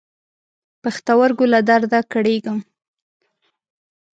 پښتورګو له درد کړېږم.